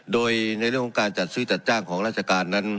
โดยในเรื่องของการจัดซื้อจัดจ้างของราชการนั้น